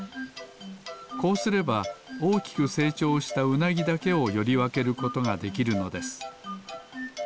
こうすればおおきくせいちょうしたウナギだけをよりわけることができるのです。